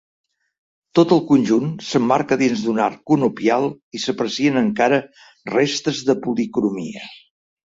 Tot el conjunt s’emmarca dins d’un arc conopial i s’aprecien encara restes de policromia.